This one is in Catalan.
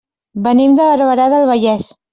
Venim de Barberà del Vallès.